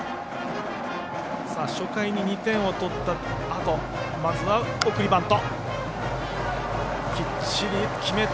初回に２点を取ったあとまずは、送りバント。